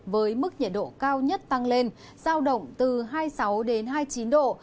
với mức nhiệt độ cao nhất tăng lên giao động từ hai mươi sáu đến hai mươi chín độ